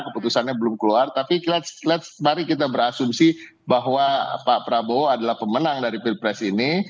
keputusannya belum keluar tapi mari kita berasumsi bahwa pak prabowo adalah pemenang dari pilpres ini